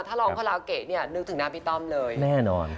ถ้าลองพระราวเกะนี่นึกถึงน้ำพี่ต้อมเลยแน่นอน